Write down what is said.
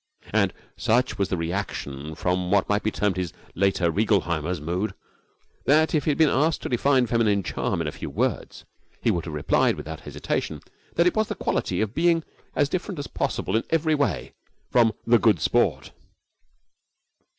And such was the reaction from what might be termed his later Reigelheimer's mood that if he had been asked to define feminine charm in a few words, he would have replied without hesitation that it was the quality of being as different as possible in every way from the Good Sport.